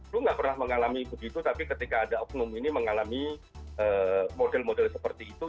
lu nggak pernah mengalami begitu tapi ketika ada oknum ini mengalami model model seperti itu